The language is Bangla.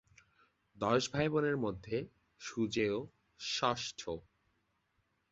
দশ ভাইবোনের মধ্যে সুজেয় ষষ্ঠ।